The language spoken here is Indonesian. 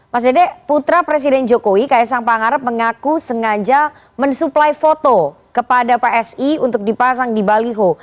mas dede putra presiden jokowi ksang pangarep mengaku sengaja mensuplai foto kepada psi untuk dipasang di baliho